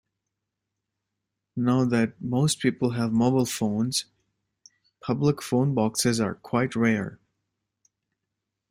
Now that most people have mobile phones, public phone boxes are quite rare